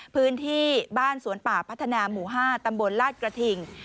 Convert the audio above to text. พื้นที่บ้านสวนป่าพัฒนาหมู่๕ตำบลลาดกระถิ่ง